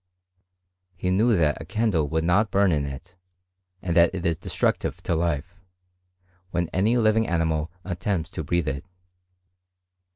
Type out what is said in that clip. , He knew that a candle would not burn in it, and that it is destructive to life, when any living animal attempts to breathe it.